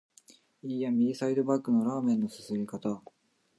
いーや、右サイドバックのラーメンの啜り方！